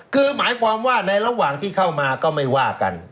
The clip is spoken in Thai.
คือหมายความว่าในระหว่างที่เข้ามาก็ไม่ว่ากัน